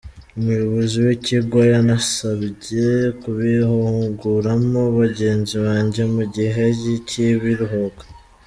Umuyobozi w’Ikigo yanansabye kubihuguramo bagenzi banjye mu gihe cy’ibiruhuko.